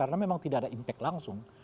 karena memang tidak ada impact langsung